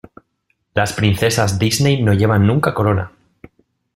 Las princesas Disney no llevan nunca corona.